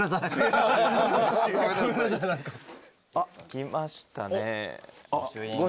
来ましたね。